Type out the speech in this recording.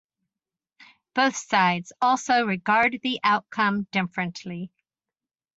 Both sides also regard the outcome differently.